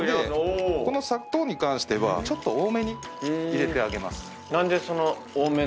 この砂糖に関してはちょっと多めに入れてあげます。